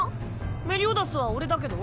メリオダスは俺だけど。